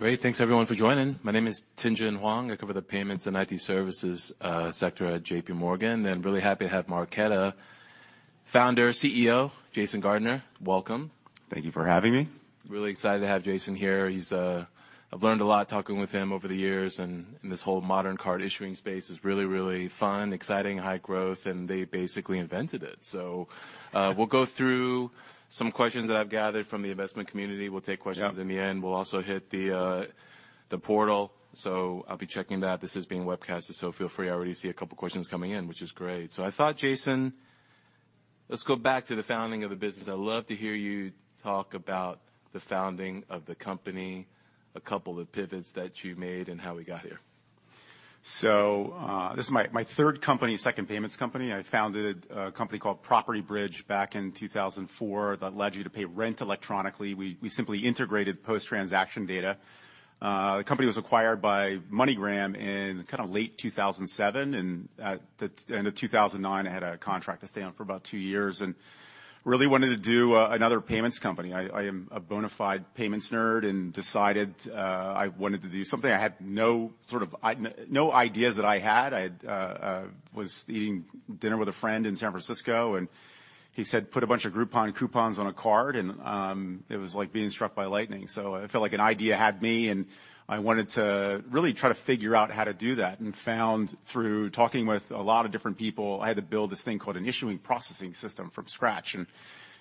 Great. Thanks everyone for joining. My name is Tien-Tsin Huang. I cover the payments and IT services sector at JPMorgan. Really happy to have Marqeta founder, CEO, Jason Gardner. Welcome. Thank you for having me. Really excited to have Jason here. He's, I've learned a lot talking with him over the years and in this whole modern card issuing space is really, really fun, exciting, high growth, and they basically invented it. We'll go through some questions that I've gathered from the investment community. We'll take questions. Yeah. In the end. We'll also hit the portal, so I'll be checking that. This is being webcast, so feel free. I already see a couple questions coming in, which is great. I thought, Jason, let's go back to the founding of the business. I'd love to hear you talk about the founding of the company, a couple of the pivots that you made and how we got here. This is my third company, second payments company. I founded a company called PropertyBridge back in 2004 that allowed you to pay rent electronically. We simply integrated post-transaction data. The company was acquired by MoneyGram in kind of late 2007, and at the end of 2009, I had a contract to stay on for about two years and really wanted to do another payments company. I am a bona fide payments nerd and decided I wanted to do something. I had no ideas. I was eating dinner with a friend in San Francisco, and he said, "Put a bunch of Groupon coupons on a card." It was like being struck by lightning. It felt like an idea had me, and I wanted to really try to figure out how to do that. Found through talking with a lot of different people, I had to build this thing called an issuing processing system from scratch.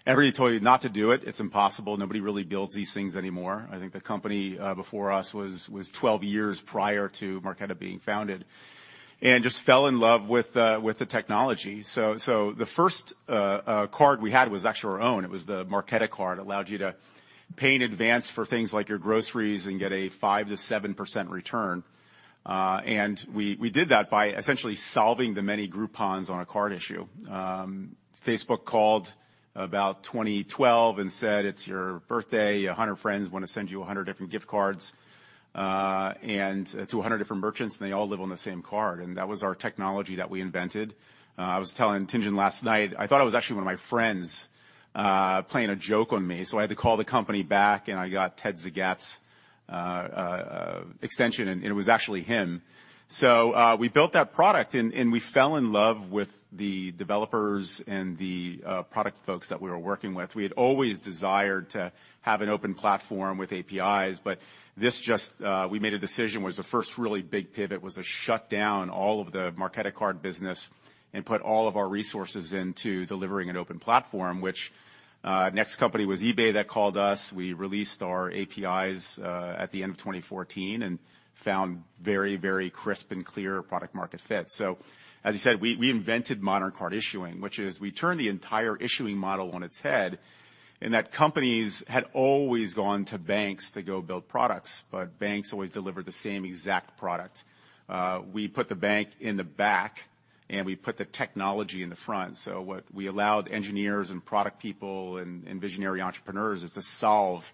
Everybody told me not to do it's impossible, nobody really builds these things anymore. I think the company before us was 12 years prior to Marqeta being founded. Just fell in love with the technology. The first card we had was actually our own. It was the Marqeta card, allowed you to pay in advance for things like your groceries and get a 5%-7% return. We did that by essentially solving the many Groupons on a card issue. Facebook called about 2012 and said, "It's your birthday. 100 friends wanna send you 100 different gift cards, and to 100 different merchants, and they all live on the same card." That was our technology that we invented. I was telling Tien-Tsin Huang last night, I thought it was actually one of my friends playing a joke on me, so I had to call the company back, and I got Ted Zagat's extension, and it was actually him. We built that product and we fell in love with the developers and the product folks that we were working with. We had always desired to have an open platform with APIs, but we made a decision that was the first really big pivot to shut down all of the Marqeta card business and put all of our resources into delivering an open platform, which next company was eBay that called us. We released our APIs at the end of 2014 and found very, very crisp and clear product market fit. As you said, we invented modern card issuing, which is we turned the entire issuing model on its head in that companies had always gone to banks to go build products, but banks always delivered the same exact product. We put the bank in the back, and we put the technology in the front. What we allowed engineers and product people and visionary entrepreneurs is to solve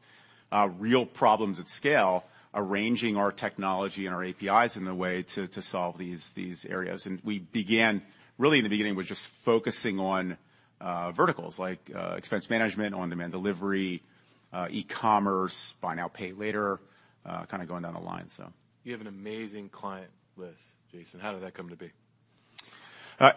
real problems at scale, arranging our technology and our APIs in a way to solve these areas. We began really in the beginning just focusing on verticals like expense management, on-demand delivery, e-commerce, buy now, pay later kind of going down the line so. You have an amazing client list, Jason. How did that come to be?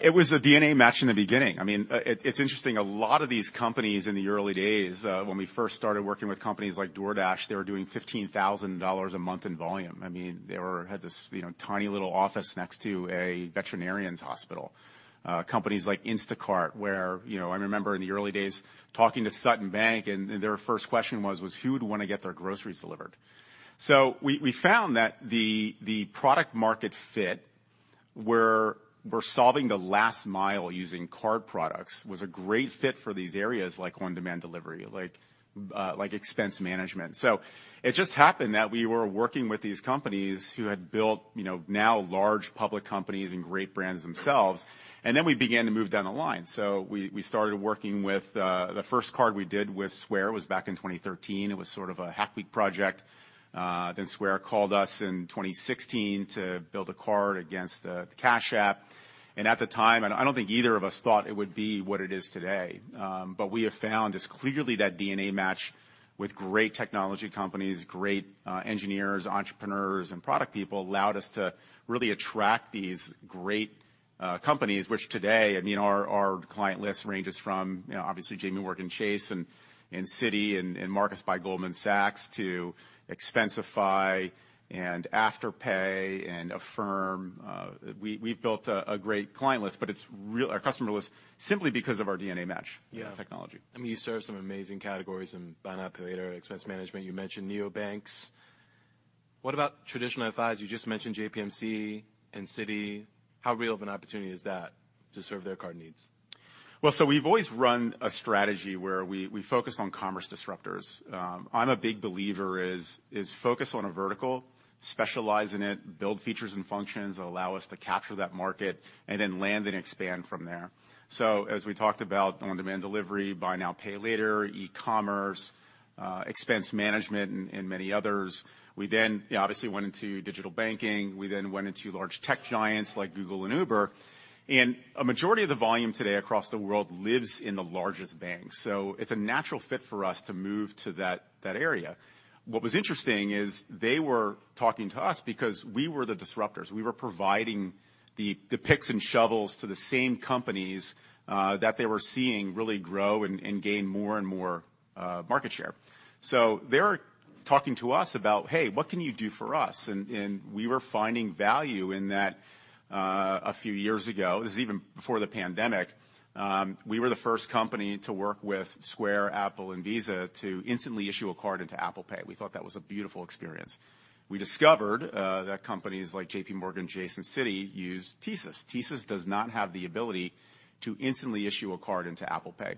It was a DNA match in the beginning. I mean, it's interesting, a lot of these companies in the early days, when we first started working with companies like DoorDash, they were doing $15,000 a month in volume. I mean, they had this, you know, tiny little office next to a veterinarian's hospital. Companies like Instacart, where, you know, I remember in the early days talking to Sutton Bank, and their first question was who would wanna get their groceries delivered? We found that the product market fit, where we're solving the last mile using card products, was a great fit for these areas like on-demand delivery, like expense management. It just happened that we were working with these companies who had built, you know, now large public companies and great brands themselves. We began to move down the line. We started working with the first card we did with Square was back in 2013. It was sort of a Hack Week project. Then Square called us in 2016 to build a card against the Cash App. And at the time, and I don't think either of us thought it would be what it is today. But we have found is clearly that DNA match with great technology companies, great engineers, entrepreneurs, and product people allowed us to really attract these great companies, which today, I mean, our client list ranges from, you know, obviously JPMorgan Chase and Citi and Marcus by Goldman Sachs to Expensify and Afterpay and Affirm. We've built a great client list, but it's a customer list simply because of our DNA match. Yeah. Technology. I mean, you serve some amazing categories in buy now, pay later, expense management. You mentioned neobanks. What about traditional FIs? You just mentioned JPMC and Citi. How real of an opportunity is that to serve their card needs? Well, we've always run a strategy where we focus on commerce disruptors. I'm a big believer in focus on a vertical, specialize in it, build features and functions that allow us to capture that market and then land and expand from there. As we talked about on-demand delivery, buy now, pay later, e-commerce, expense management and many others. We obviously went into digital banking. We went into large tech giants like Google and Uber. A majority of the volume today across the world lives in the largest banks. It's a natural fit for us to move to that area. What was interesting is they were talking to us because we were the disruptors. We were providing the picks and shovels to the same companies that they were seeing really grow and gain more and more market share. They're talking to us about, "Hey, what can you do for us?" We were finding value in that, a few years ago. This is even before the pandemic. We were the first company to work with Square, Apple, and Visa to instantly issue a card into Apple Pay. We thought that was a beautiful experience. We discovered that companies like JPMorgan Chase and Citi use TSYS. TSYS does not have the ability to instantly issue a card into Apple Pay.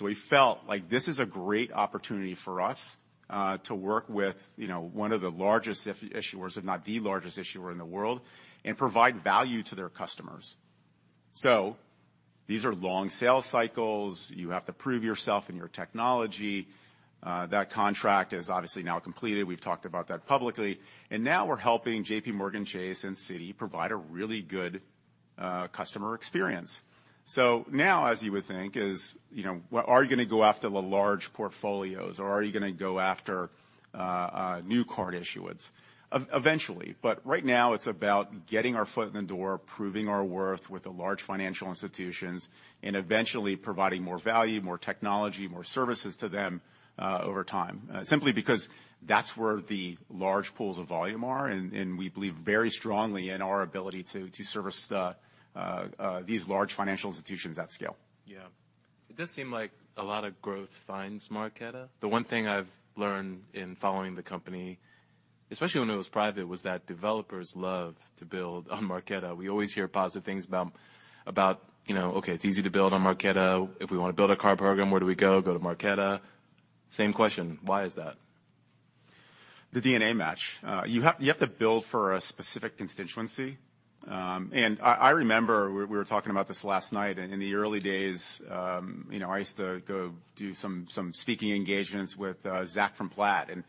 We felt like this is a great opportunity for us, to work with, you know, one of the largest issuers, if not the largest issuer in the world, and provide value to their customers. These are long sales cycles. You have to prove yourself and your technology. That contract is obviously now completed. We've talked about that publicly. Now, we're helping JPMorgan Chase and Citi provide a really good customer experience. Now, as you would think, are you gonna go after the large portfolios, or are you gonna go after new card issuance? Eventually. Right now it's about getting our foot in the door, proving our worth with the large financial institutions, and eventually providing more value, more technology, more services to them over time. Simply because that's where the large pools of volume are, and we believe very strongly in our ability to service these large financial institutions at scale. Yeah. It does seem like a lot of growth finds Marqeta. The one thing I've learned in following the company, especially when it was private, was that developers love to build on Marqeta. We always hear positive things about, you know, okay, it's easy to build on Marqeta. If we wanna build a card program, where do we go? Go to Marqeta. Same question. Why is that? The DNA match. You have to build for a specific constituency. I remember we were talking about this last night. In the early days, you know, I used to go do some speaking engagements with Zach from Plaid, and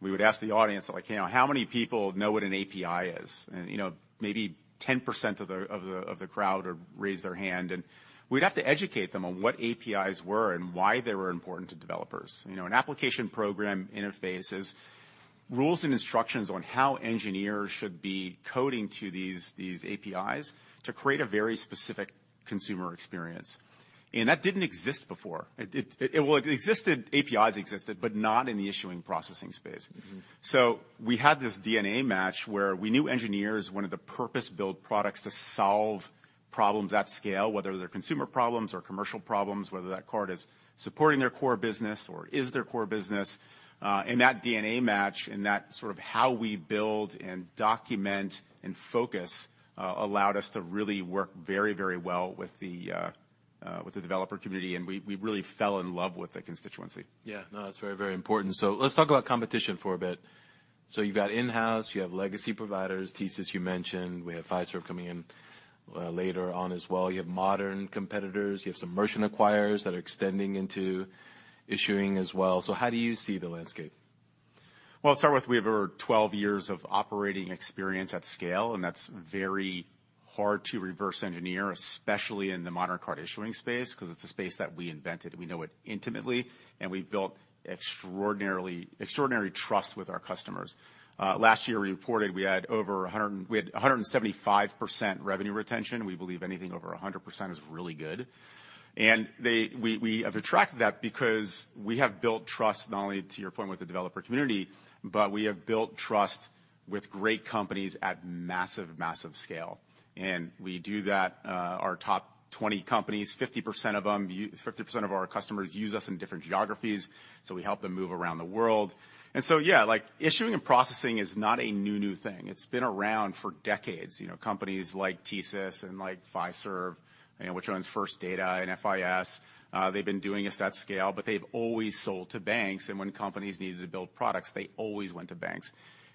we would ask the audience like, you know, "How many people know what an API is?" You know, maybe 10% of the crowd would raise their hand. We'd have to educate them on what APIs were and why they were important to developers. You know, an application program interface is rules and instructions on how engineers should be coding to these APIs to create a very specific consumer experience. That didn't exist before. Well, it existed, APIs existed, but not in the issuing processing space. Mm-hmm. We had this DNA match where we knew engineers wanted to purpose-build products to solve problems at scale, whether they're consumer problems or commercial problems, whether that card is supporting their core business or is their core business. That DNA match and that sort of how we build and document and focus allowed us to really work very, very well with the developer community, and we really fell in love with the constituency. Yeah. No, that's very, very important. Let's talk about competition for a bit. You've got in-house, you have legacy providers, TSYS you mentioned, we have Fiserv coming in, later on as well. You have modern competitors. You have some merchant acquirers that are extending into issuing as well. How do you see the landscape? Well, I'll start with we have over 12 years of operating experience at scale, and that's very hard to reverse engineer, especially in the modern card issuing space, because it's a space that we invented. We know it intimately, and we've built extraordinary trust with our customers. Last year we reported we had over 100. We had 175% revenue retention. We believe anything over 100% is really good. We have attracted that because we have built trust not only, to your point, with the developer community, but we have built trust with great companies at massive scale. We do that, our top 20 companies, 50% of them 50% of our customers use us in different geographies, so we help them move around the world. Yeah, like issuing and processing is not a new thing. It's been around for decades. You know, companies like TSYS and like Fiserv, you know, which owns First Data and FIS, they've been doing this at scale, but they've always sold to banks, and when companies needed to build products, they always went to banks.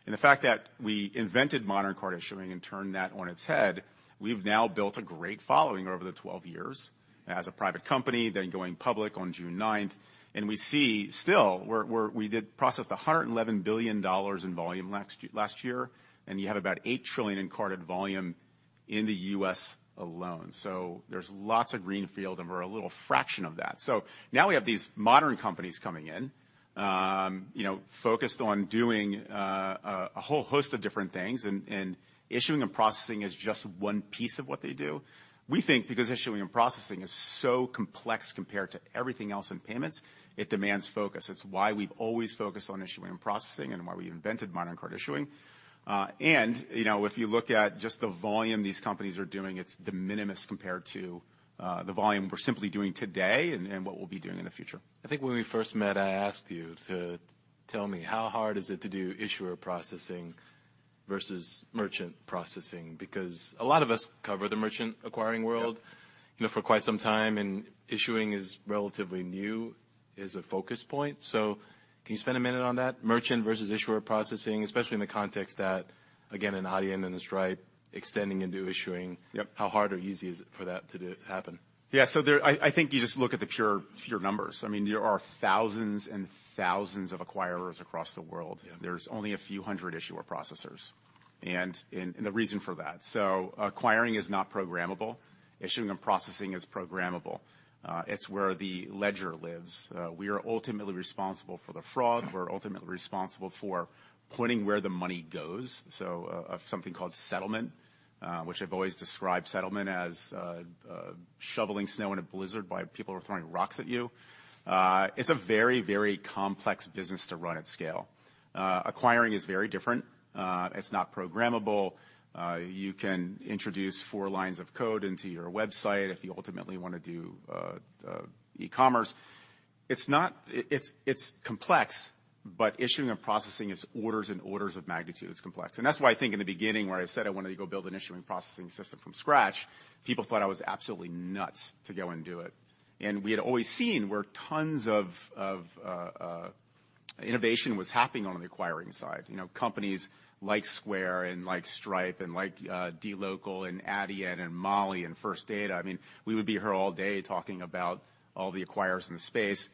The fact that we invented modern card issuing and turned that on its head, we've now built a great following over the 12 years as a private company, then going public on June 9th, and we see still we're we did process $111 billion in volume last year, and you have about $8 trillion in card volume in the U.S. alone. There's lots of greenfield and we're a little fraction of that. Now we have these modern companies coming in, you know, focused on doing a whole host of different things and issuing and processing is just one piece of what they do. We think because issuing and processing is so complex compared to everything else in payments, it demands focus. It's why we've always focused on issuing and processing and why we invented modern card issuing. You know, if you look at just the volume these companies are doing, it's de minimis compared to the volume we're simply doing today and what we'll be doing in the future. I think when we first met I asked you to tell me how hard is it to do issuing processing versus merchant acquiring because a lot of us cover the merchant acquiring world. You know, for quite some time, and issuing is relatively new as a focus point. Can you spend a minute on that? Merchant versus issuer processing, especially in the context that again an Adyen and a Stripe extending into issuing. Yep. How hard or easy is it for that to happen? I think you just look at the pure numbers. I mean, there are thousands and thousands of acquirers across the world. Yeah. There's only a few hundred issuer processors, and the reason for that. Acquiring is not programmable. Issuing and processing is programmable. It's where the ledger lives. We are ultimately responsible for the fraud. We're ultimately responsible for pointing where the money goes. Something called settlement, which I've always described settlement as shoveling snow in a blizzard while people are throwing rocks at you. It's a very, very complex business to run at scale. Acquiring is very different. It's not programmable. You can introduce four lines of code into your website if you ultimately wanna do e-commerce. It's complex. Issuing and processing is orders and orders of magnitude as complex. That's why I think in the beginning, where I said I wanted to go build an issuing processing system from scratch, people thought I was absolutely nuts to go and do it. We had always seen where tons of innovation was happening on the acquiring side. You know, companies like Square and like Stripe and like dLocal and Adyen and Mollie and First Data. I mean, we would be here all day talking about all the acquirers in the space,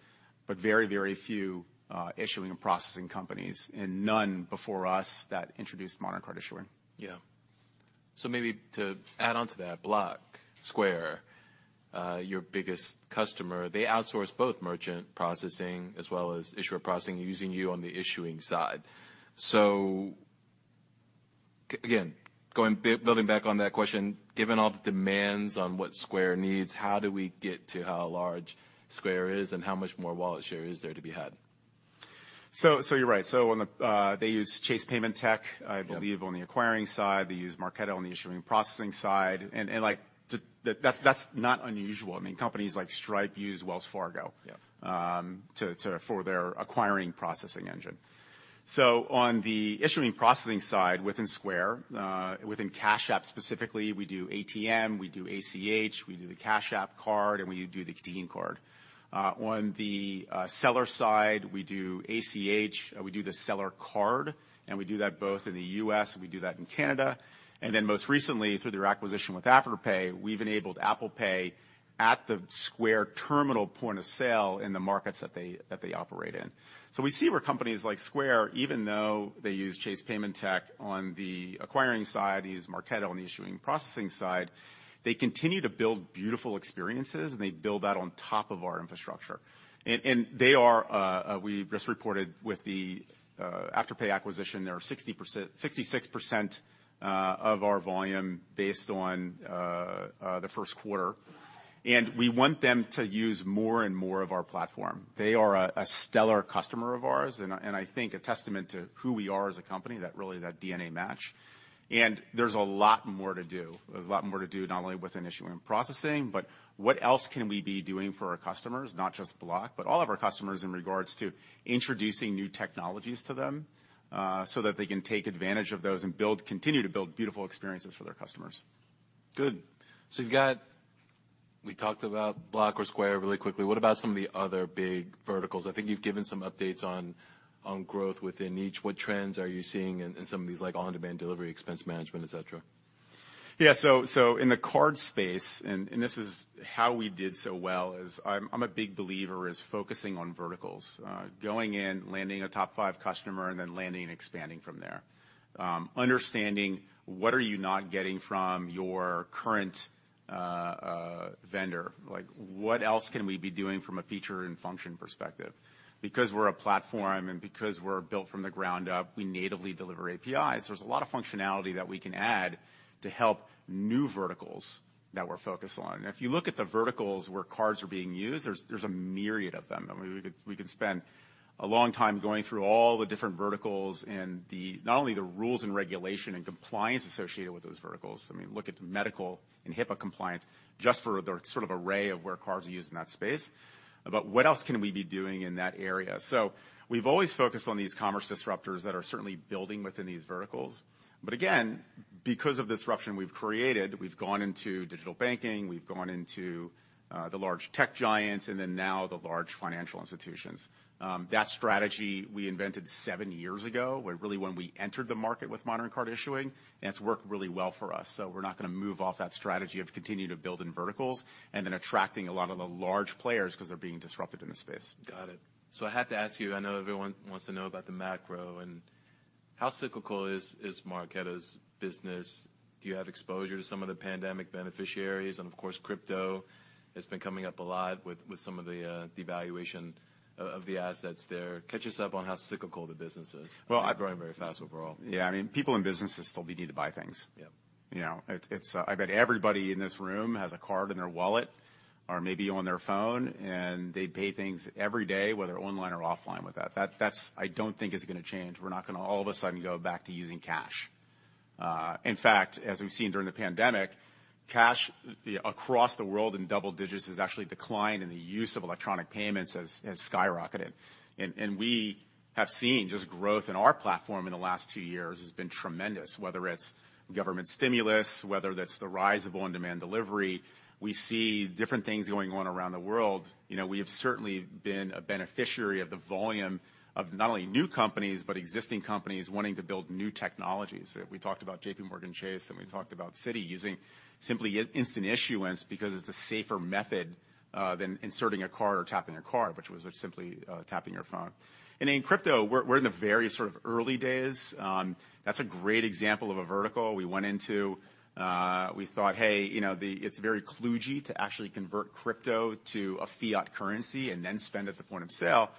but very, very few issuing and processing companies, and none before us that introduced modern card issuing. Yeah. Maybe to add on to that, Block, Square, your biggest customer, they outsource both merchant processing as well as issuing processing using you on the issuing side. Again, going building back on that question, given all the demands on what Square needs, how do we get to how large Square is and how much more wallet share is there to be had? You're right. On the, they use Chase Paymentech. Yeah. I believe on the acquiring side. They use Marqeta on the issuing and processing side. Like, that's not unusual. I mean, companies like Stripe use Wells Fargo. Yeah. For their acquiring processing engine. On the issuing and processing side within Square, within Cash App specifically, we do ATM, we do ACH, we do the Cash App Card, and we do the Bitcoin card. On the seller side, we do ACH, we do the seller card, and we do that both in the U.S., and we do that in Canada. Most recently, through their acquisition with Afterpay, we've enabled Apple Pay at the Square terminal point of sale in the markets that they operate in. We see where companies like Square, even though they use Chase Paymentech on the acquiring side, they use Marqeta on the issuing and processing side, they continue to build beautiful experiences, and they build that on top of our infrastructure. They are we just reported with the Afterpay acquisition, they're 66% of our volume based on the first quarter. We want them to use more and more of our platform. They are a stellar customer of ours, and I think a testament to who we are as a company, that really that DNA match. There's a lot more to do. There's a lot more to do not only within issuing and processing, but what else can we be doing for our customers, not just Block, but all of our customers in regards to introducing new technologies to them, so that they can take advantage of those and continue to build beautiful experiences for their customers. Good. You've got we talked about Block or Square really quickly. What about some of the other big verticals? I think you've given some updates on growth within each. What trends are you seeing in some of these, like on-demand delivery, expense management, et cetera? Yeah, in the card space, and this is how we did so well. I'm a big believer in focusing on verticals. Going in, landing a top five customer, and then landing and expanding from there. Understanding what are you not getting from your current vendor. Like, what else can we be doing from a feature and function perspective? Because we're a platform, and because we're built from the ground up, we natively deliver APIs. There's a lot of functionality that we can add to help new verticals that we're focused on. If you look at the verticals where cards are being used, there's a myriad of them. I mean, we could spend a long time going through all the different verticals and not only the rules and regulations and compliance associated with those verticals. I mean, look at medical and HIPAA compliance just for the sort of array of where cards are used in that space. What else can we be doing in that area? We've always focused on these commerce disruptors that are certainly building within these verticals. Again, because of disruption we've created, we've gone into digital banking, we've gone into the large tech giants, and then now the large financial institutions. That strategy we invented seven years ago, where really when we entered the market with modern card issuing, and it's worked really well for us. We're not gonna move off that strategy of continuing to build in verticals and then attracting a lot of the large players because they're being disrupted in the space. Got it. I have to ask you, I know everyone wants to know about the macro and how cyclical is Marqeta's business? Do you have exposure to some of the pandemic beneficiaries? Of course, crypto has been coming up a lot with some of the devaluation of the assets there. Catch us up on how cyclical the business is. Well. Growing very fast overall. Yeah. I mean, people in businesses still need to buy things. Yeah. You know, it's, I bet everybody in this room has a card in their wallet or maybe on their phone, and they pay things every day, whether online or offline with that. That's, I don't think, is gonna change. We're not gonna all of a sudden go back to using cash. In fact, as we've seen during the pandemic, cash across the world in double digits has actually declined, and the use of electronic payments has skyrocketed. We have seen just growth in our platform in the last two years has been tremendous, whether it's government stimulus, whether that's the rise of on-demand delivery. We see different things going on around the world. You know, we have certainly been a beneficiary of the volume of not only new companies, but existing companies wanting to build new technologies. We talked about JPMorgan Chase, and we talked about Citi using simply instant issuance because it's a safer method than inserting a card or tapping a card, which was simply tapping your phone. In crypto, we're in the very sort of early days. That's a great example of a vertical we went into. We thought, hey, you know, it's very kludgy to actually convert crypto to a fiat currency and then spend at the point of sale.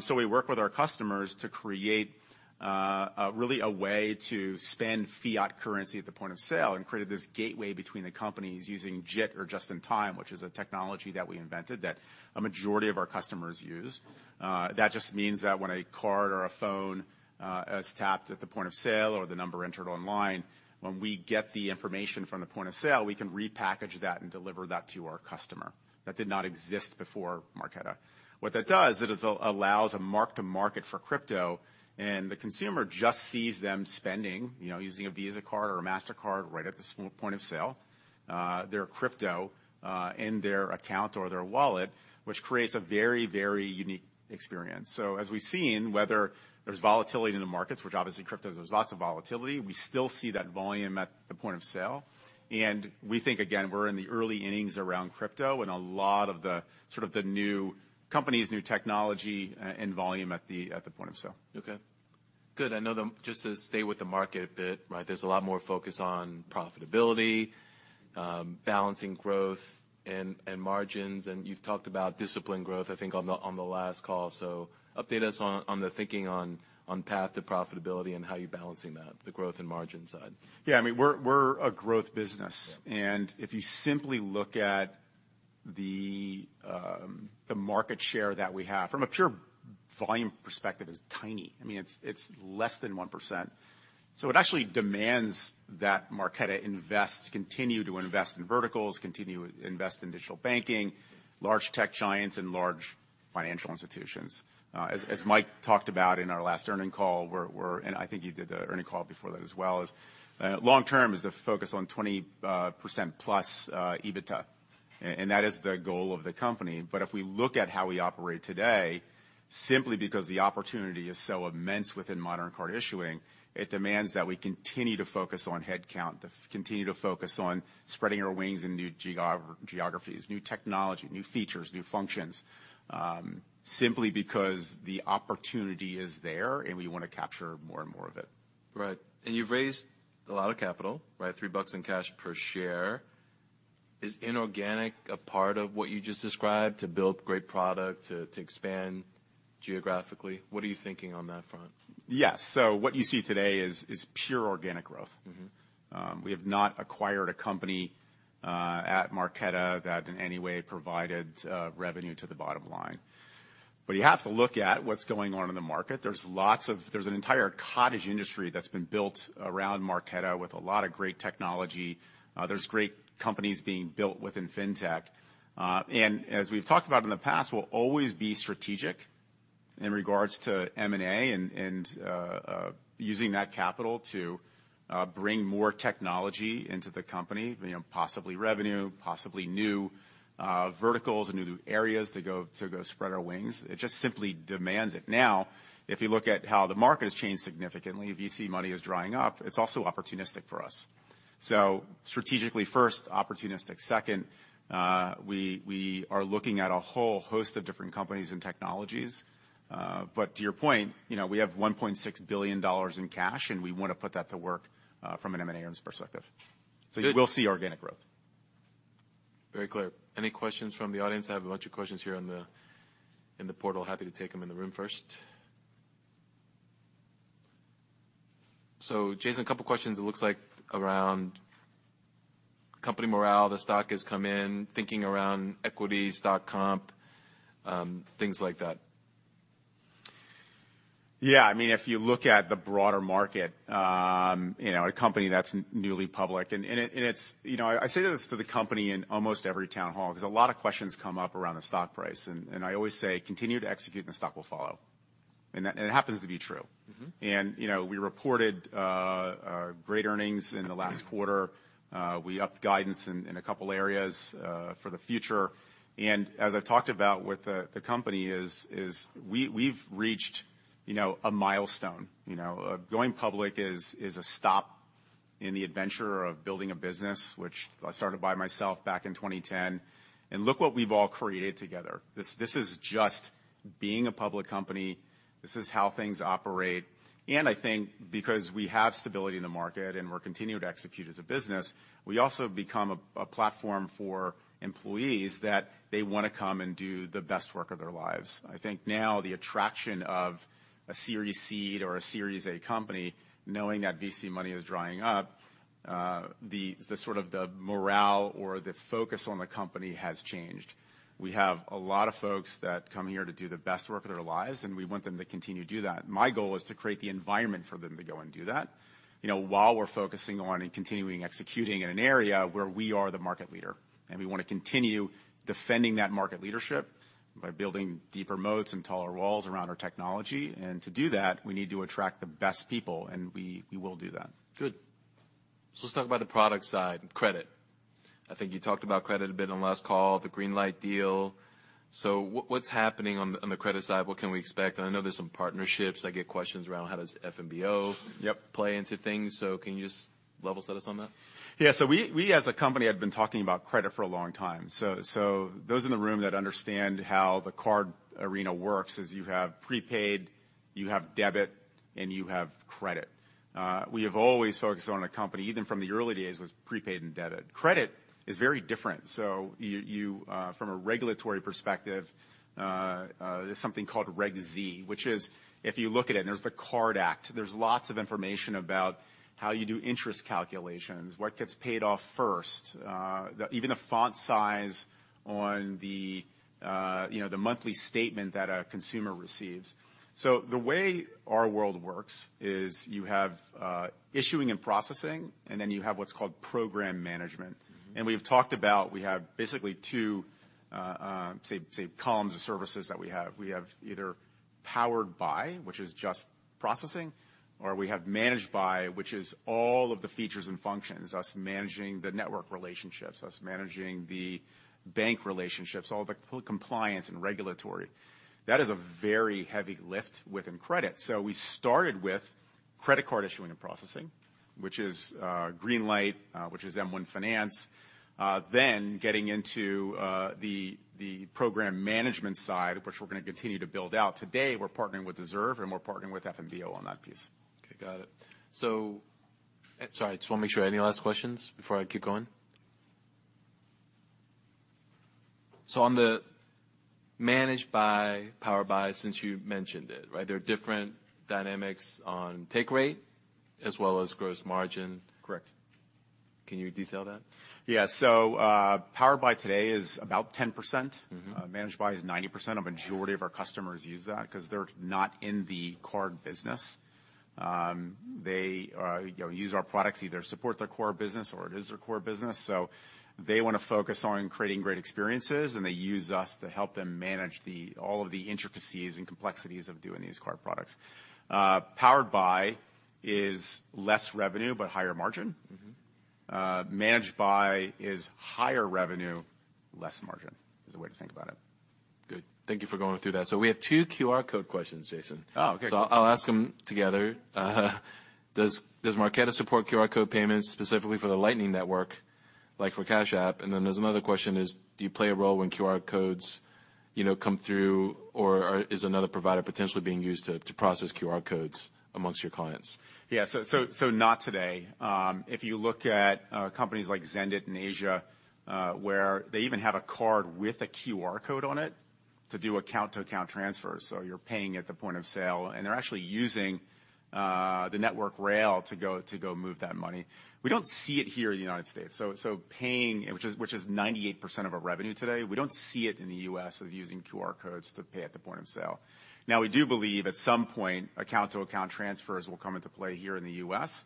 So we work with our customers to create really a way to spend fiat currency at the point of sale and created this gateway between the companies using JIT or just in time, which is a technology that we invented that a majority of our customers use. That just means that when a card or a phone is tapped at the point of sale or the number entered online, when we get the information from the point of sale, we can repackage that and deliver that to our customer. That did not exist before Marqeta. What that does is allows a mark to market for crypto, and the consumer just sees them spending, you know, using a Visa card or a Mastercard right at the point of sale their crypto in their account or their wallet, which creates a very, very unique experience. As we've seen, whether there's volatility in the markets, which obviously crypto, there's lots of volatility, we still see that volume at the point of sale. We think, again, we're in the early innings around crypto and a lot of the sort of new companies, new technology, and volume at the point of sale. Okay. Good. I know that just to stay with the market a bit, right, there's a lot more focus on profitability, balancing growth and margins, and you've talked about disciplined growth, I think on the last call. Update us on the thinking on path to profitability and how you're balancing that, the growth and margin side. Yeah. I mean, we're a growth business. If you simply look at the market share that we have, from a pure volume perspective, it's tiny. I mean, it's less than 1%. It actually demands that Marqeta invest, continue to invest in verticals, continue to invest in digital banking, large tech giants and large financial institutions. As Mike talked about in our last earnings call, and I think you did the earnings call before that as well, long term is the focus on 20%+ EBITDA. And that is the goal of the company. If we look at how we operate today, simply because the opportunity is so immense within modern card issuing, it demands that we continue to focus on headcount, to continue to focus on spreading our wings in new geographies, new technology, new features, new functions, simply because the opportunity is there, and we wanna capture more and more of it. Right. You've raised a lot of capital, right? $3 in cash per share. Is inorganic a part of what you just described to build great product, to expand geographically? What are you thinking on that front? Yes. What you see today is pure organic growth. Mm-hmm. We have not acquired a company at Marqeta that in any way provided revenue to the bottom line. You have to look at what's going on in the market. There's an entire cottage industry that's been built around Marqeta with a lot of great technology. There's great companies being built within fintech. As we've talked about in the past, we'll always be strategic in regards to M&A and using that capital to bring more technology into the company, you know, possibly revenue, possibly new verticals and new areas to go spread our wings. It just simply demands it. Now, if you look at how the market has changed significantly, VC money is drying up, it's also opportunistic for us. Strategically first, opportunistic second, we are looking at a whole host of different companies and technologies. To your point, you know, we have $1.6 billion in cash, and we wanna put that to work from an M&A perspective. You will see organic growth. Very clear. Any questions from the audience? I have a bunch of questions here, in the portal. Happy to take them in the room first. Jason, a couple questions it looks like around company morale. The stock has come in, thinking around equities, dot-com, things like that. Yeah. I mean, if you look at the broader market, you know, a company that's newly public, and it's. You know, I say this to the company in almost every town hall, 'cause a lot of questions come up around the stock price. I always say, "Continue to execute, the stock will follow." That happens to be true. Mm-hmm. You know, we reported great earnings in the last quarter. We upped guidance in a couple areas for the future. As I've talked about with the company, we've reached a milestone. You know? Going public is a stop in the adventure of building a business, which I started by myself back in 2010, and look what we've all created together. This is just being a public company. This is how things operate. I think because we have stability in the market and we're continuing to execute as a business, we also become a platform for employees that they wanna come and do the best work of their lives. I think now the attraction of a Series Seed or a Series A company, knowing that VC money is drying up, the sort of morale or the focus on the company has changed. We have a lot of folks that come here to do the best work of their lives, and we want them to continue to do that. My goal is to create the environment for them to go and do that, you know, while we're focusing on and continuing executing in an area where we are the market leader. We wanna continue defending that market leadership by building deeper moats and taller walls around our technology. To do that, we need to attract the best people, and we will do that. Good. Let's talk about the product side, credit. I think you talked about credit a bit on the last call, the Greenlight deal. What's happening on the credit side? What can we expect? I know there's some partnerships. I get questions around how does FNBO- Yep. Can you just level set us on that? Yeah. We as a company have been talking about credit for a long time. Those in the room that understand how the card arena works is you have prepaid, you have debit, and you have credit. We have always focused on a company, even from the early days, was prepaid and debit. Credit is very different. You from a regulatory perspective, there's something called Reg Z, which is if you look at it, and there's the CARD Act, there's lots of information about how you do interest calculations, what gets paid off first, even the font size on the, you know, the monthly statement that a consumer receives. The way our world works is you have issuing and processing, and then you have what's called program management. Mm-hmm. We've talked about, we have basically two, say columns or services that we have. We have either powered by, which is just processing, or we have Managed by, which is all of the features and functions, us managing the network relationships, us managing the bank relationships, all the compliance and regulatory. That is a very heavy lift within credit. We started with credit card issuing and processing, which is Greenlight, which is M1 Finance. Then getting into the program management side, which we're gonna continue to build out. Today, we're partnering with Deserve, and we're partnering with FNBO on that piece. Okay, got it. Sorry, just wanna make sure, any last questions before I keep going? On the Managed By, Powered By, since you mentioned it, right? There are different dynamics on take rate as well as gross margin. Correct. Can you detail that? Yeah. Powered By today is about 10%. Mm-hmm. Managed By is 90%. A majority of our customers use that 'cause they're not in the card business. They, you know, use our products, either to support their core business or it is their core business. They wanna focus on creating great experiences, and they use us to help them manage all of the intricacies and complexities of doing these card products. Powered By is less revenue, but higher margin. Mm-hmm. Managed By is higher revenue, less margin, is the way to think about it. Good. Thank you for going through that. We have two QR code questions, Jason. Oh, okay. I'll ask them together. Does Marqeta support QR code payments, specifically for the Lightning Network, like for Cash App? There's another question is, do you play a role when QR codes, you know, come through, or is another provider potentially being used to process QR codes amongst your clients? Yeah. Not today. If you look at companies like Xendit in Asia, where they even have a card with a QR code on it to do account-to-account transfers. You're paying at the point of sale, and they're actually using the network rails to move that money. We don't see it here in the United States. Paying, which is 98% of our revenue today, we don't see it in the use of using QR codes to pay at the point of sale. Now, we do believe at some point, account-to-account transfers will come into play here in the U.S.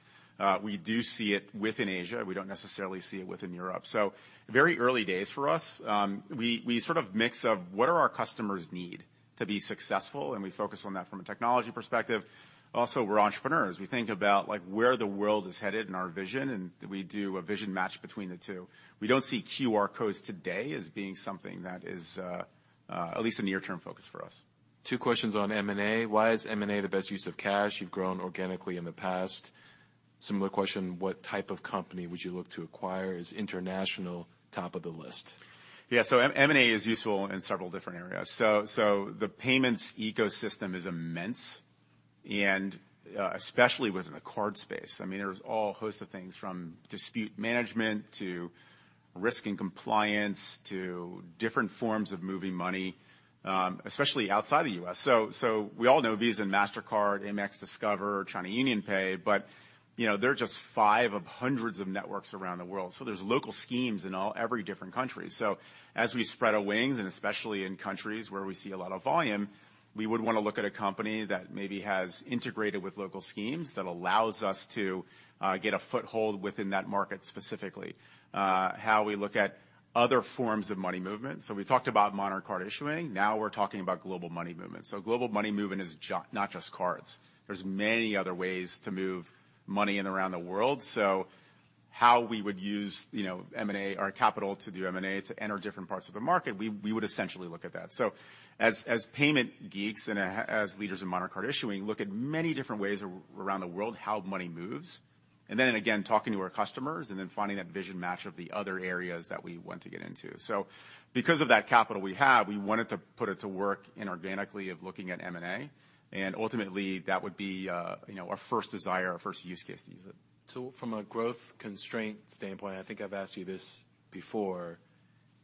We do see it within Asia. We don't necessarily see it within Europe. Very early days for us. We sort of mix of what do our customers need to be successful, and we focus on that from a technology perspective. Also, we're entrepreneurs. We think about, like, where the world is headed and our vision, and we do a vision match between the two. We don't see QR codes today as being something that is at least a near-term focus for us. Two questions on M&A. Why is M&A the best use of cash? You've grown organically in the past. Similar question, what type of company would you look to acquire? Is international top of the list? M&A is useful in several different areas. The payments ecosystem is immense, especially within the card space. I mean, there's a host of things from dispute management to risk and compliance to different forms of moving money, especially outside the U.S. We all know Visa and Mastercard, Amex, Discover, China UnionPay, but you know, they're just five of hundreds of networks around the world, so there's local schemes in every different country. As we spread our wings, especially in countries where we see a lot of volume, we would wanna look at a company that maybe has integrated with local schemes that allows us to get a foothold within that market specifically. How we look at other forms of money movement. We talked about modern card issuing. Now we're talking about global money movement. Global money movement is not just cards. There are many other ways to move money in and around the world. How we would use, you know, M&A or capital to do M&A to enter different parts of the market, we would essentially look at that. As payment geeks and as leaders in modern card issuing, look at many different ways around the world how money moves. Then again, talking to our customers and then finding that vision match of the other areas that we want to get into. Because of that capital we have, we wanted to put it to work inorganically of looking at M&A, and ultimately, that would be, you know, our first desire, our first use case to use it. From a growth constraint standpoint, I think I've asked you this before,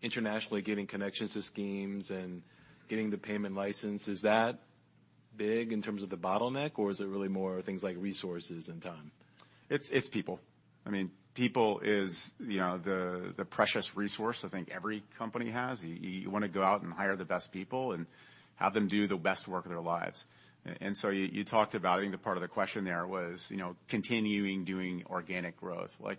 internationally getting connections to schemes and getting the payment license, is that big in terms of the bottleneck, or is it really more things like resources and time? It's people. I mean, people is, you know, the precious resource I think every company has. You wanna go out and hire the best people and have them do the best work of their lives. You talked about, I think the part of the question there was, you know, continuing doing organic growth. Like,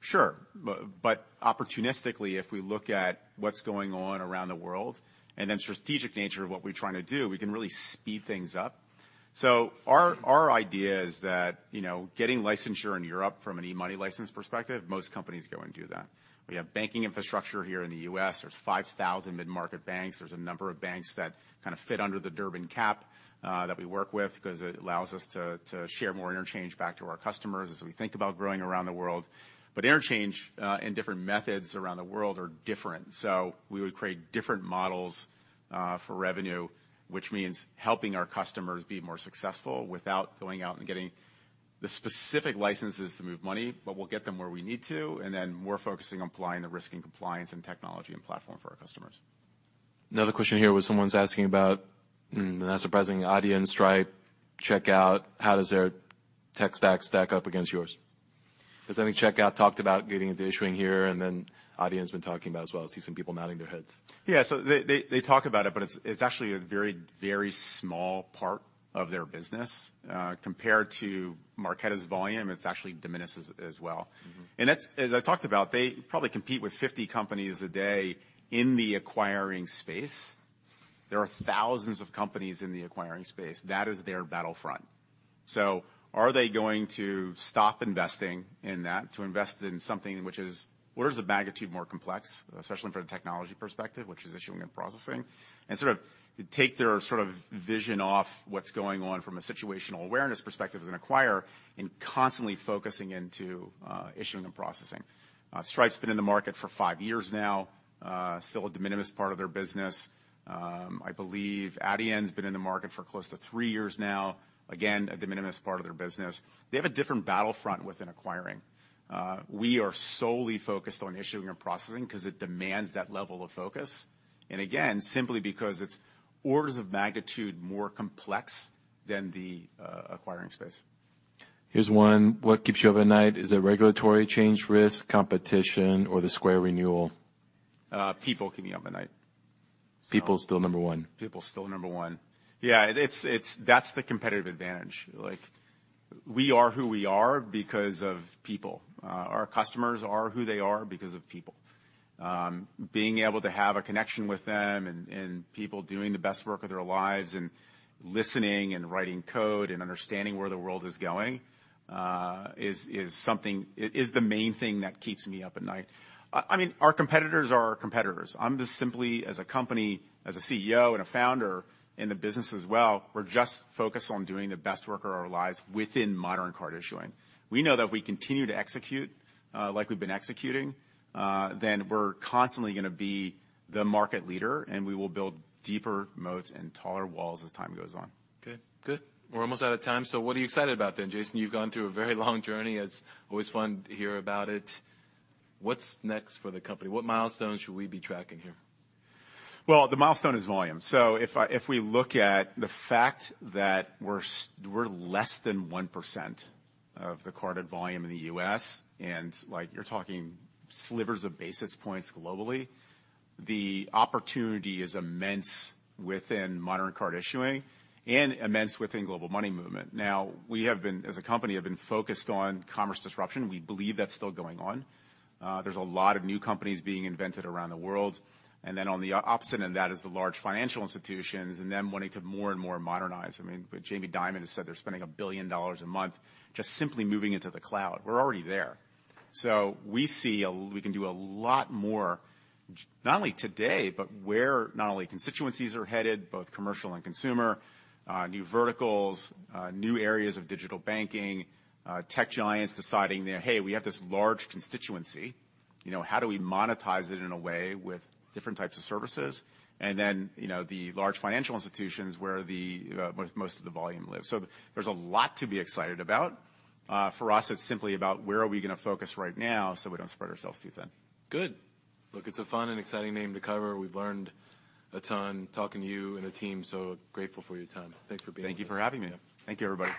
sure. But opportunistically, if we look at what's going on around the world and then strategic nature of what we're trying to do, we can really speed things up. Our idea is that, you know, getting licensure in Europe from an e-money license perspective, most companies go and do that. We have banking infrastructure here in the U.S. There's 5,000 mid-market banks. There's a number of banks that kinda fit under the Durbin cap that we work with 'cause it allows us to share more interchange back to our customers as we think about growing around the world. Interchange and different methods around the world are different. We would create different models for revenue, which means helping our customers be more successful without going out and getting the specific licenses to move money, but we'll get them where we need to, and then more focusing on applying the risk and compliance and technology and platform for our customers. Another question here was someone's asking about, not surprising, Adyen, Stripe, Checkout. How does their tech stack stack up against yours? 'Cause I think Checkout talked about getting into issuing here, and then Adyen's been talking about it as well. I see some people nodding their heads. They talk about it, but it's actually a very, very small part of their business. Compared to Marqeta's volume, it actually diminishes as well. Mm-hmm. That's, as I talked about, they probably compete with 50 companies a day in the acquiring space. There are thousands of companies in the acquiring space. That is their battlefront. Are they going to stop investing in that to invest in something which is orders of magnitude more complex, especially from a technology perspective, which is issuing and processing, and sort of take their sort of vision off what's going on from a situational awareness perspective as an acquirer and constantly focusing into issuing and processing? Stripe's been in the market for five years now, still a de minimis part of their business. I believe Adyen's been in the market for close to three years now, again, a de minimis part of their business. They have a different battlefront within acquiring. We are solely focused on issuing and processing because it demands that level of focus, and again, simply because it's orders of magnitude more complex than the acquiring space. Here's one. What keeps you up at night? Is it regulatory change risk, competition, or the Square renewal? People keep me up at night. People still number one. People still number one. Yeah, that's the competitive advantage. Like, we are who we are because of people. Our customers are who they are because of people. Being able to have a connection with them and people doing the best work of their lives and listening and writing code and understanding where the world is going is something is the main thing that keeps me up at night. I mean, our competitors are our competitors. I'm just simply, as a company, as a CEO and a founder in the business as well, we're just focused on doing the best work of our lives within modern card issuing. We know that if we continue to execute, like we've been executing, then we're constantly gonna be the market leader, and we will build deeper moats and taller walls as time goes on. Good. Good. We're almost out of time, so what are you excited about then? Jason, you've gone through a very long journey. It's always fun to hear about it. What's next for the company? What milestones should we be tracking here? Well, the milestone is volume. If we look at the fact that we're less than 1% of the carded volume in the U.S., and, like, you're talking slivers of basis points globally, the opportunity is immense within modern card issuing and immense within global money movement. Now, we, as a company, have been focused on commerce disruption. We believe that's still going on. There's a lot of new companies being invented around the world. Then on the opposite end of that is the large financial institutions and them wanting to more and more modernize. I mean, Jamie Dimon has said they're spending $1 billion a month just simply moving into the cloud. We're already there. We see a... We can do a lot more not only today, but where not only constituencies are headed, both commercial and consumer, new verticals, new areas of digital banking, tech giants deciding that, "Hey, we have this large constituency, you know, how do we monetize it in a way with different types of services?" Then, you know, the large financial institutions where the most of the volume lives. There's a lot to be excited about. For us, it's simply about where are we gonna focus right now, so we don't spread ourselves too thin. Good. Look, it's a fun and exciting name to cover. We've learned a ton talking to you and the team, so grateful for your time. Thanks for being with us. Thank you for having me. Thank you, everybody.